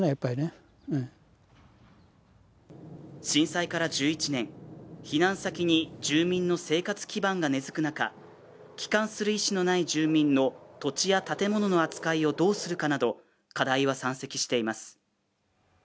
震災から１１年、避難先に住民の生活基盤が根づく中帰還する意思のない住民の土地や建物の扱いをどうするかなど、課題は山積しています。